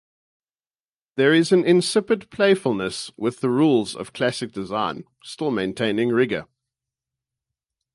There is an incipient playfulness with the rules of classic design, still maintaining rigor.